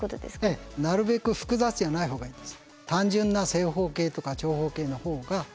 ええなるべく複雑じゃないほうがいいんです。